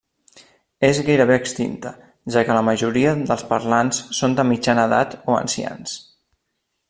És gairebé extinta, ja que la majoria dels parlants són de mitjana edat o ancians.